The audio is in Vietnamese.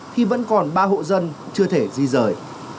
khi vẫn còn ba hộ dân chưa thể di rời